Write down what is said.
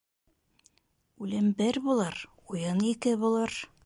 Үлем бер булыр, уйын ике булыр.